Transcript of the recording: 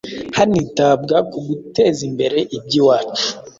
hanitabwa ku guteza imbere iby’iwacu.